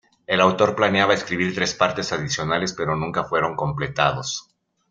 El autor planeaba escribir tres partes adicionales pero nunca fueron completados.